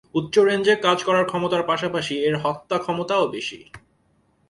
উচ্চ রেঞ্জে কাজ করার ক্ষমতার পাশাপাশি এর হত্যা ক্ষমতাও বেশি।